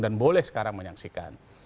dan boleh sekarang menyaksikan